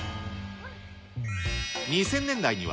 ２０００年代には、